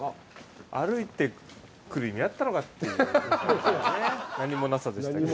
歩いてくる意味あったのかっていう何もなさでしたけど。